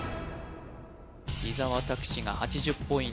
伊沢拓司が８０ポイント